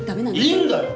いいんだよ！